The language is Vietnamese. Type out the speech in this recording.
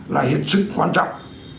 là hiệp sức quan trọng